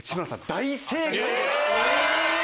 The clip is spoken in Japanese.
大正解です。